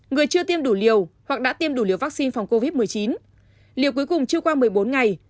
người chưa tiêm đủ liều hoặc đã tiêm đủ liều vaccine phòng covid một mươi chín liều cuối cùng chưa qua một mươi bốn ngày